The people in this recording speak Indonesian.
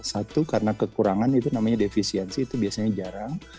satu karena kekurangan itu namanya defisiensi itu biasanya jarang